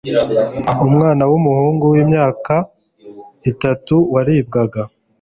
umwana wumuhungu wimyaka itatu waribwaga